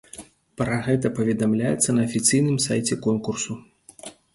Пра гэта паведамляецца на афіцыйным сайце конкурсу.